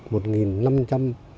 một nghìn năm trăm